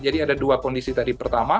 jadi ada dua kondisi tadi